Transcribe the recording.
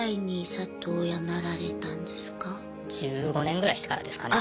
１５年ぐらいしてからですかね。